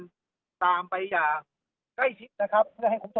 กินดอนเมืองในช่วงเวลาประมาณ๑๐นาฬิกานะครับ